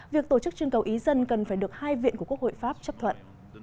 việc tổ chức trưng cầu ý dân cần phải được hai viện của quốc hội pháp chấp thuận